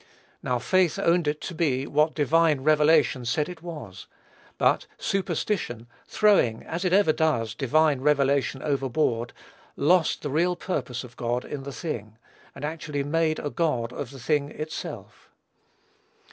Now, faith owned it to be what divine revelation said it was; but superstition, throwing, as it ever does, divine revelation overboard, lost the real purpose of God in the thing, and actually made a god of the thing itself.